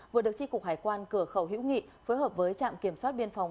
vừa được tri cục hải quan cửa khẩu hữu nghị phối hợp với trạm kiểm soát biên phòng